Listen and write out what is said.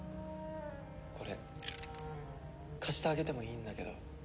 これ貸してあげてもいいんだけど。